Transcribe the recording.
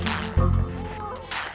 lil tunggu gue dulu